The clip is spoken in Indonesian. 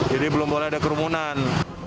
jadi belum boleh ada kerumunan